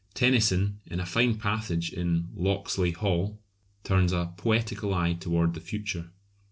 Tennyson, in a fine passage in "Locksley Hall," turns a poetical eye towards the future.